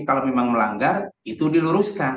kalau memang melanggar itu diluruskan